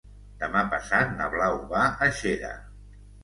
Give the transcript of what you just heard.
Demà passat na Blau va a Xera.